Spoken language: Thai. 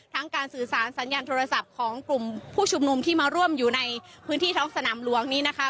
การสื่อสารสัญญาณโทรศัพท์ของกลุ่มผู้ชุมนุมที่มาร่วมอยู่ในพื้นที่ท้องสนามหลวงนี้นะคะ